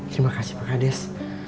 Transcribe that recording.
terima kasih pak kades